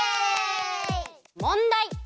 もんだい！